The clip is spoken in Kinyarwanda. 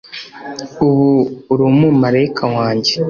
ubu uri umumarayika wanjye